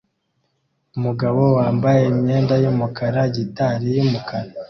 Umugabo wambaye imyenda yumukara gitari yumukara